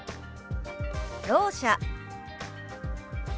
「ろう者」。